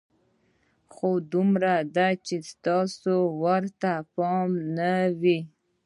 خو دومره ده چې ستاسو ورته پام نه وي.